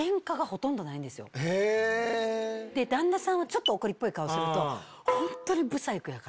旦那さんはちょっと怒りっぽい顔すると。